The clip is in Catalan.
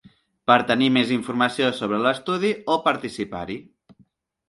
Per tenir més informació sobre l’estudi o participar-hi.